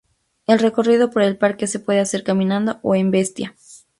El recorrido por el parque se puede hacer caminando o en bestia.